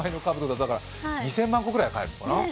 ２０００万個ぐらい買えるのかな。